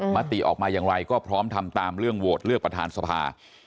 มติออกมาอย่างไรก็พร้อมทำตามเรื่องโหวตเลือกประธานสภา